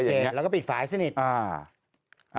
โอเคแล้วก็ปิดฝ่ายเสียเน็ตอ่า